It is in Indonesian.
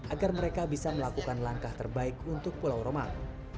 agar mereka bisa melakukan langkah terbaik untuk pulau romang